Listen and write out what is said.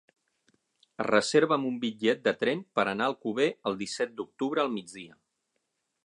Reserva'm un bitllet de tren per anar a Alcover el disset d'octubre al migdia.